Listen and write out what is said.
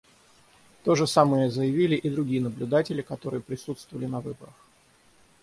То же самое заявили и другие наблюдатели, которые присутствовали на выборах.